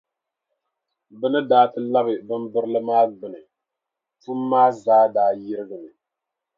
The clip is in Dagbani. Bɛ ni daa ti labi bimbirili maa gbuni, pum maa zaa daa yirigimi.